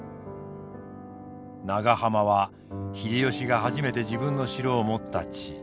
長浜は秀吉が初めて自分の城を持った地。